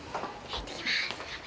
いってきます。